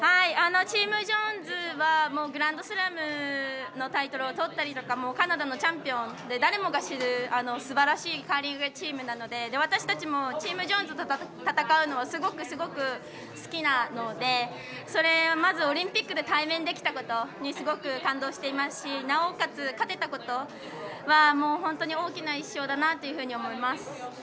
チームジョーンズはもう、グランドスラムのタイトルをとったりカナダのチャンピオンで誰もが知る、すばらしいカーリングのチームなので私たちもチームジョーンズと戦うのはすごくすごく好きなのでまずオリンピックで対面できたことにすごく感動していますしなおかつ勝てたことは本当に大きな１勝だと思います。